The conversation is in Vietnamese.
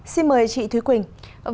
xin mời chị thúy quỳnh